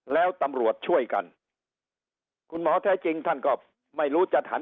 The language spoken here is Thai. แล้วตำรวจช่วยกันคุณหมอแท้จริงท่านก็ไม่รู้จะทัน